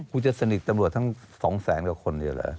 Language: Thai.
คุณจะสนิทตำรวจทั้ง๒แสนกว่าคนเดียวเหรอ